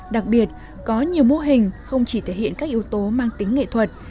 đặc biệt có nhiều mô hình không chỉ thể hiện các yếu tố mang tính nghệ thuật